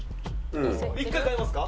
１回替えますか。